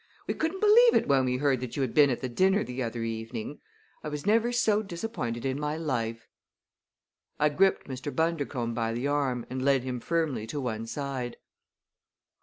We couldn't believe it when we heard that you had been at the dinner the other evening. I was never so disappointed in my life!" I gripped Mr. Bundercombe by the arm and led him firmly to one side.